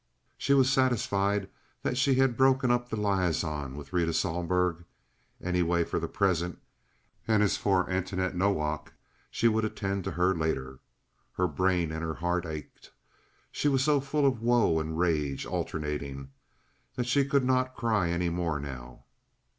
She was satisfied that she had broken up the liaison with Rita Sohlberg, anyway for the present, and as for Antoinette Nowak, she would attend to her later. Her brain and her heart ached. She was so full of woe and rage, alternating, that she could not cry any more now.